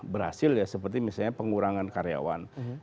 berhasil ya seperti misalnya pengurangan karyawan